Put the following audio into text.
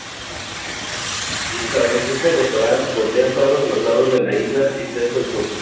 Los arrecifes de coral bordean todos los lados de la isla, excepto el sur.